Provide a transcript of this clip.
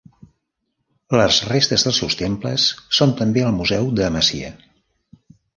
Les restes dels seus temples són també al museu d'Amasya.